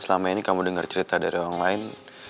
selama ini kamu dengar cerita dari orang lain